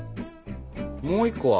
もう１個は？